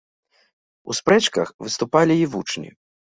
У спрэчках выступалі й вучні.